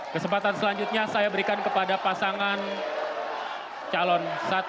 kesempatan selanjutnya saya berikan kepada pasangan calon satu